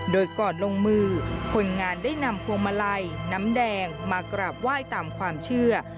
โดยก่อนลงมือคนงานได้นำพวงมาลัยน้ำแดงมากราบไหว้ตามความเชื่อ